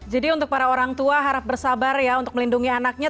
jadi untuk para orang tua harap bersabar ya untuk melindungi anaknya